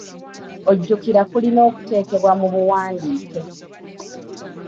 Okujulira kulina okuteekebwa mu buwandiike.